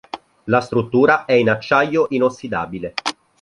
La struttura è in acciaio inossidabile.